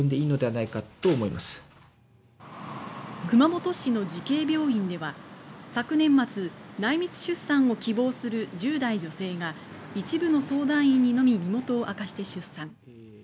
熊本市の慈恵病院では昨年末、内密出産を希望する１０代女性が一部の相談員にのみ身元を明かして出産。